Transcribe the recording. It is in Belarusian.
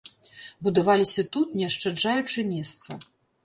Будаваліся тут, не ашчаджаючы месца.